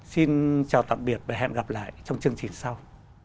xin chào tạm biệt và hẹn gặp lại trong chương trình sau